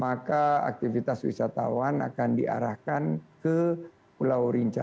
maka aktivitas wisatawan akan diarahkan ke pulau rinca